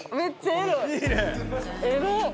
エロ！